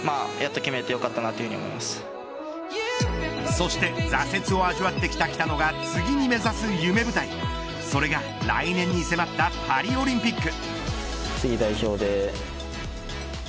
そして挫折を味わってきた北野が次に目指す夢舞台、それが来年に迫ったパリオリンピック。